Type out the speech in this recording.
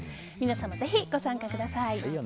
皆様、ぜひご参加ください。